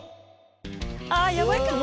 あやばいかも。